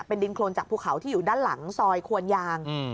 เป็นดินโครนจากภูเขาที่อยู่ด้านหลังซอยควนยาง